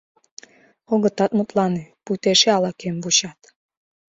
Огытат мутлане, пуйто эше ала-кӧм вучат.